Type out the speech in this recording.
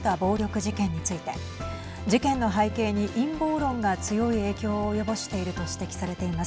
事件の背景に陰謀論が強い影響を及ぼしていると指摘されています。